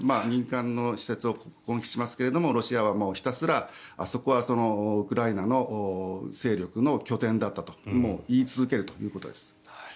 民間の施設を攻撃しますがロシアはひたすらあそこはウクライナの勢力の拠点だったともう言い続けるということです。